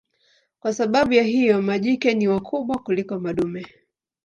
Kwa sababu ya hiyo majike ni wakubwa kuliko madume.